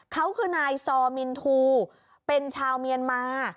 เขาคือนายซอมินทูเป็นชาวเมียนมา